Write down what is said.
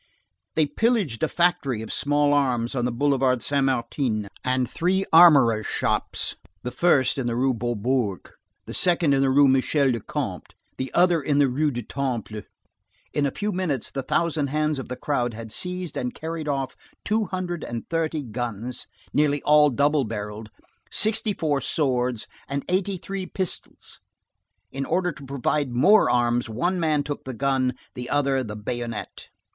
They pillaged a factory of small arms on the Boulevard Saint Martin, and three armorers' shops, the first in the Rue Beaubourg, the second in the Rue Michel le Comte, the other in the Rue du Temple. In a few minutes, the thousand hands of the crowd had seized and carried off two hundred and thirty guns, nearly all double barrelled, sixty four swords, and eighty three pistols. In order to provide more arms, one man took the gun, the other the bayonet.